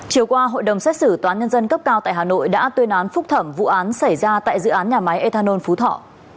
chiều qua hội đồng xét xử tòa nhân dân cấp cao tại hà nội đã tuyên án phúc thẩm vụ án xảy ra tại dự án nhà máy ethanol phú thọ